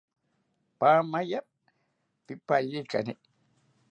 Paamaya pipariekari